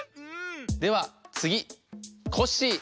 ではつぎコッシー。